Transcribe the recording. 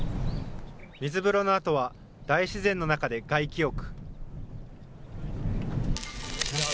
水風呂のあとは大自然の中で外気浴。